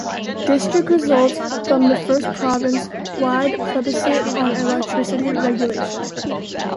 District results from the first province wide plebiscite on electricity regulation.